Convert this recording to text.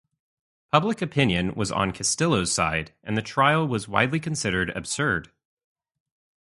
Public opinion was on Castillo's side, and the trial was widely considered absurd.